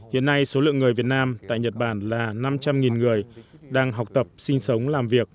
hiện nay số lượng người việt nam tại nhật bản là năm trăm linh người đang học tập sinh sống làm việc